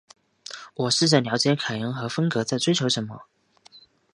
我试着了解凯恩和芬格在追求什么。